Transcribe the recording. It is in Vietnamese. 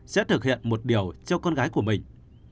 sẽ thực hiện một điều cho con gái của mình